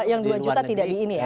yang dua juta tidak di ini ya